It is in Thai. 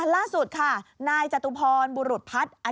ล่าสุดค่ะนายจตุพรบุรุษพัฒน์